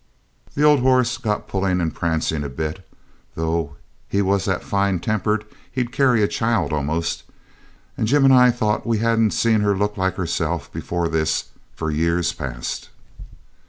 The old horse got pulling and prancing a bit, though he was that fine tempered he'd carry a child almost, and Jim and I thought we hadn't seen her look like herself before this for years past.